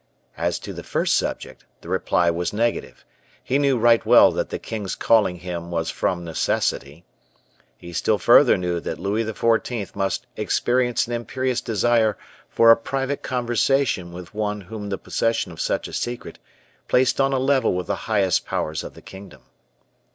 As to the first subject, the reply was negative; he knew right well that the king's calling him was from necessity. He still further knew that Louis XIV. must experience an imperious desire for a private conversation with one whom the possession of such a secret placed on a level with the highest powers of the kingdom.